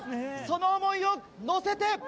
その思いを乗せて。